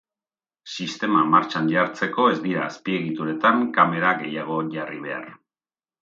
Sistema martxan jartzeko ez dira azpiegituretan kamera gehiago jarri behar.